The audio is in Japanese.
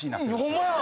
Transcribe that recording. ホンマや！